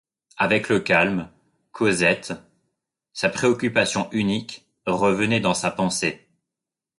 Avec le calme, Cosette, sa préoccupation unique, revenait dans sa pensée.